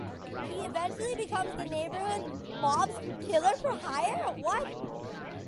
He eventually becomes the neighborhood mob's killer for hire.